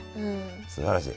すばらしい。